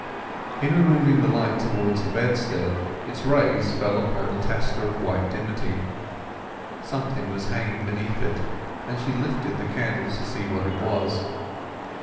In removing the light towards the bedstead its rays fell upon the tester of white dimity; something was hanging beneath it, and she lifted the candle to see what it was.